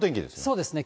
そうですね。